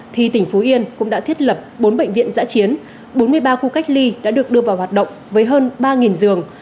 thì tỉnh phú yên cũng đã thiết lập bốn bệnh viện giã chiến bốn mươi ba khu cách ly đã được đưa vào hoạt động với hơn ba giường